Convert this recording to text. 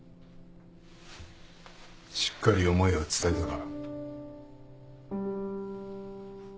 しっかり思いは伝えたか？